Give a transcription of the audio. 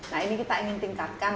nah ini kita ingin tingkatkan